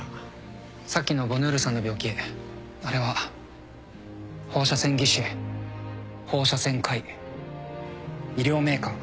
さっきのボヌールさんの病気あれは放射線技師放射線科医医療メーカー